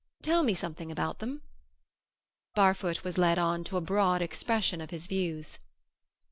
Tell me something about them." Barfoot was led on to a broad expression of his views.